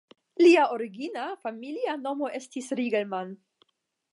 Lia origina familia nomo estis "Riegelmann".